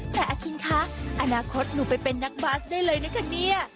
แต่อาคิงคะอนาคตหนูไปเป็นนักบาสได้เลยนะคะเนี่ย